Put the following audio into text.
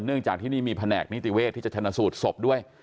จากที่นี่มีแผนกนิติเวศที่จะชนะสูตรศพด้วย